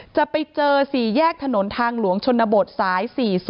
จะไปเจอ๔แยกถนนทางหลวงชนบทสาย๔๐